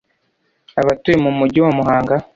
abatuye mu Mugi wa Muhanga,